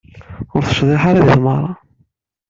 Ur tecḍiḥeḍ ara di tmeɣra.